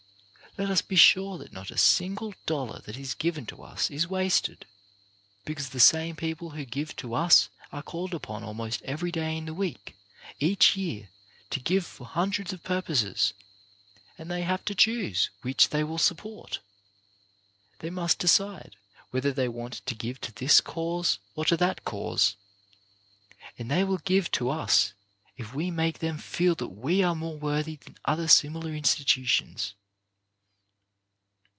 Let us be sure that not a single dollar that is given to us is wasted, because the same people who give to us are called upon almost every day in the week, each year, to give for hundreds of purposes, and they have to choose which they will support. They must decide whether they want to give to this cause, or to that cause, and they will give to us if we make them feel that we are more worthy than other similar institutions.